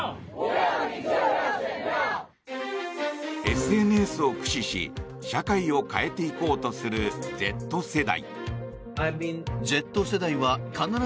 ＳＮＳを駆使し、社会を変えていこうとするＺ世代。